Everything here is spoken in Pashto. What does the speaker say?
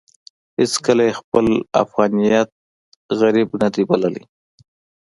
هېڅکله يې خپل افغانيت غريب نه دی بللی.